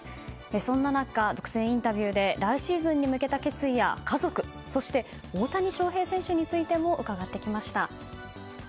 そんな中、独占インタビューで来シーズンに向けた決意や家族そして、大谷翔平選手についても伺ってきました。